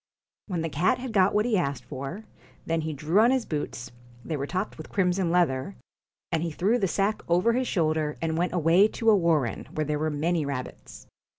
14 When the cat had got what he had asked for, PUSS then he drew on his boots they were topped with IN crimson leather and he threw the sack over his BOOTS shoulder, and went away to a warren, where there were many rabbits.